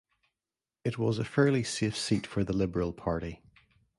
It was a fairly safe seat for the Liberal Party.